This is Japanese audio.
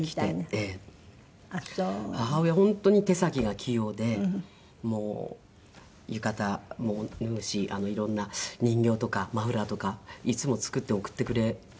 本当に手先が器用でもう浴衣も縫うし色んな人形とかマフラーとかいつも作って送ってくれて。